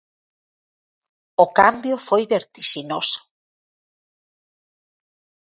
O cambio foi vertixinoso.